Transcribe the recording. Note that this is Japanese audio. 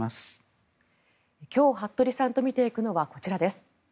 今日、服部さんと見ていくのはこちらです。